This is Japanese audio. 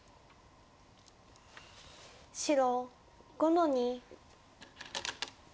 白５の二。